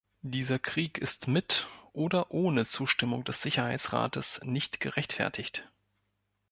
Dieser Krieg ist mit oder ohne Zustimmung des Sicherheitsrates nicht gerechtfertigt.